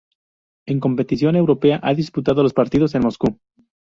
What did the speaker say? En competición europea ha disputado los partidos en Moscú.